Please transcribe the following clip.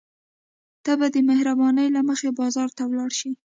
ته به د مهربانۍ له مخې بازار ته ولاړ شې.